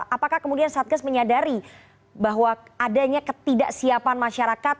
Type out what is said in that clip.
apakah kemudian satgas menyadari bahwa adanya ketidaksiapan masyarakat